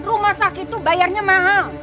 rumah sakit itu bayarnya mahal